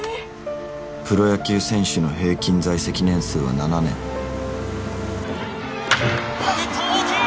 プロ野球選手の平均在籍年数は７年打った大きい！